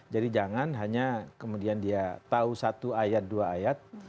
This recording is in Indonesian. jadi jangan hanya kemudian dia tahu satu ayat dua ayat